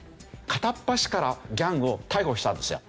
片っ端からギャングを逮捕したんですよ。